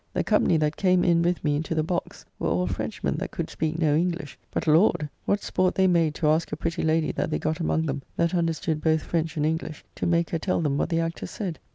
The company that came in with me into the box, were all Frenchmen that could speak no English, but Lord! what sport they made to ask a pretty lady that they got among them that understood both French and English to make her tell them what the actors said.